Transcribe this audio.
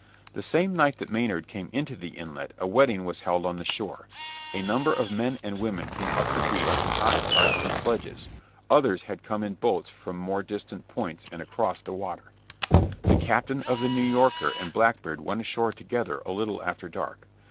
The same night that Maynard came into the inlet a wedding was held on the shore. A number of men and women came up the beach in oxcarts and sledges; others had come in boats from more distant points and across the water. The captain of the New Yorker and Blackbeard went ashore together a little after dark.